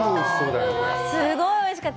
すごいおいしかった！